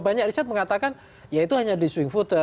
banyak riset mengatakan ya itu hanya di swing voter